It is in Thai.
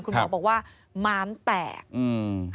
คุณหมอบอกว่ามามแตก